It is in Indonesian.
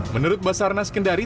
menurut basar nas kendari